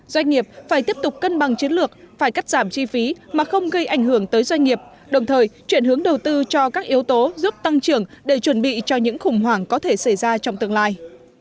doanh nghiệp phải tiếp tục cân bằng chiến lược phải cắt giảm chi phí mà không gây ảnh hưởng tới doanh nghiệp đồng thời chuyển hướng đầu tư cho các yếu tố giúp tăng trưởng để chuẩn bị cho những khủng hoảng có thể xảy ra trong tương lai